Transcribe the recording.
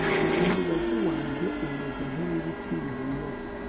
umubavu wanjye umeze nk'uw'ibiti bihumura